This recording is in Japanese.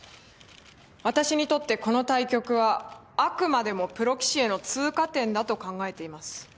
私にとってこの対局はあくまでもプロ棋士への通過点だと考えています。